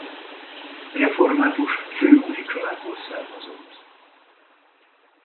Református főúri családból származott.